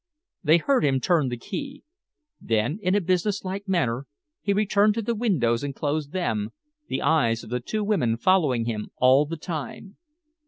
They heard him turn the key. Then, in a businesslike manner, he returned to the windows and closed them, the eyes of the two women following him all the time.